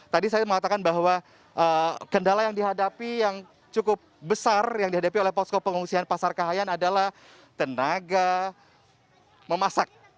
tadi saya mengatakan bahwa kendala yang dihadapi yang cukup besar yang dihadapi oleh posko pengungsian pasar kahayan adalah tenaga memasak